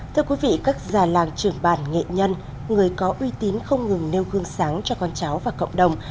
thưa quý vị các già làng trưởng bản nghệ nhân người có uy tín không ngừng nêu gương sáng cho con cháu và cộng đồng